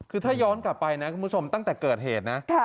คือถ้าย้อนกลับไปนะคุณผู้ชมตั้งแต่เกิดเหตุนะ